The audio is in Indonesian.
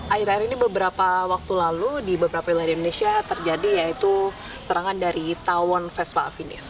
akhir akhir ini beberapa waktu lalu di beberapa wilayah di indonesia terjadi yaitu serangan dari tawon vespa afinis